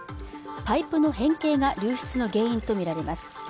パイプの変形が流出の原因と見られます